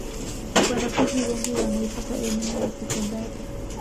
wanafunzi wengi wanaipata elimu ya sekondari